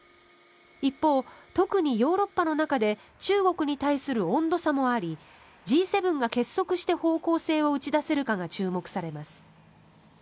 一方、特にヨーロッパの中で中国に対する温度差もありＧ７が結束して方向性を打ち出せるかが注目されます。